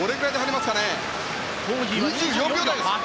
２４秒台です。